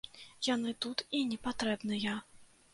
Яны тут і не патрэбныя.